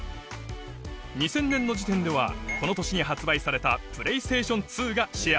２０００年の時点ではこの年に発売されたＰｌａｙＳｔａｔｉｏｎ２がシェア